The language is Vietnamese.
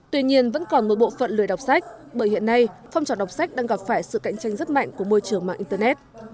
tuy nhiên vẫn còn một bộ phận lười đọc sách bởi hiện nay phong trào đọc sách đang gặp phải sự cạnh tranh rất mạnh của môi trường mạng internet